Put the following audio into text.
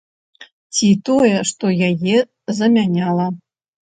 Ці тое, што яе замяняла.